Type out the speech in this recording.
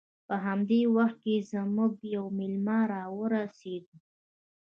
په همدې وخت کې زموږ یو میلمه راورسید